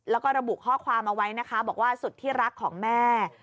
แล้วก็ระบุข้อความเอาไว้นะคะบอกว่าสุดที่รักของแม่